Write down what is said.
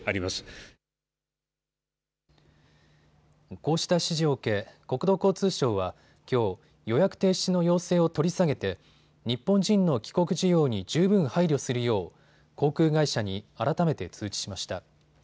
こうした指示を受け国土交通省はきょう、予約停止の要請を取り下げて日本人の帰国需要に十分配慮するよう航空会社に改めて通知しました。